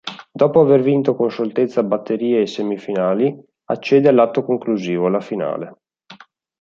Dopo aver vinto con scioltezza batterie e semifinali accede all'atto conclusivo, la finale.